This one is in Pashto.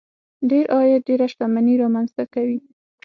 ډېر عاید ډېره شتمني رامنځته کوي.